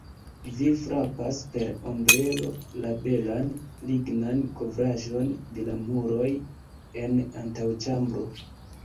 Vi frapas per ombrelo la belan lignan kovraĵon de la muroj en antaŭĉambro.